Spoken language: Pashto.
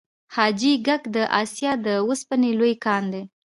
حاجي ګک د اسیا د وسپنې لوی کان دی